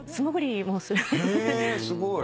すごい。